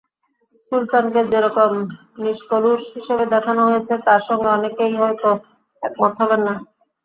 সুলতানকে যেরকম নিষ্কলুষ হিসেবে দেখানো হয়েছে, তার সঙ্গে অনেকেই হয়তো একমত হবেন না।